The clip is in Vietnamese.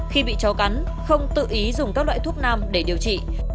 khi bị chó cắn không tự ý dùng các loại thuốc nam để điều trị